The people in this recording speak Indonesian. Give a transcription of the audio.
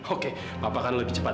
oke bapak kan lebih cepat